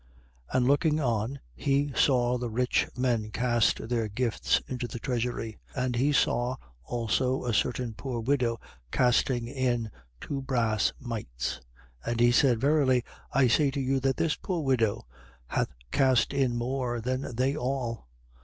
21:1. And looking on, he saw the rich men cast their gifts into the treasury. 21:2. And he saw also a certain poor widow casting in two brass mites. 21:3. And he said: Verily, I say to you that this poor widow hath cast in more than they all.